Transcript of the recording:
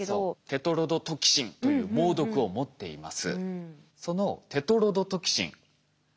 テトロドトキシンという猛毒を持っています。